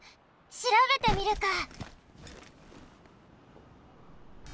しらべてみるか！